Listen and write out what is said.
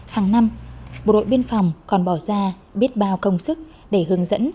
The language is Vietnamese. hàng năm bộ đội biên phòng còn bỏ ra biết bao công sức để hướng dẫn